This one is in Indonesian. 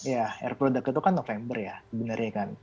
ya air product itu kan november ya